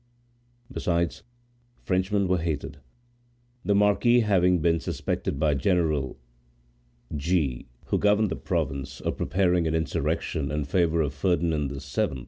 Besides, Frenchmen were hated. The marquis having been suspected by General G—t—r, who governed the province, of preparing an insurrection in favor of Ferdinand VII.